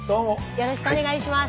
よろしくお願いします。